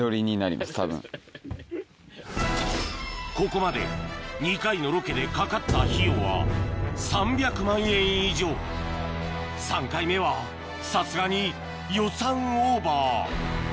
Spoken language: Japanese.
ここまで２回のロケでかかった費用は３回目はさすがに予算オーバー